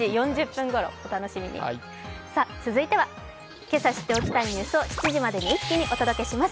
続いては、けさ知っておきたいニュースを７時までに一気にお届けします。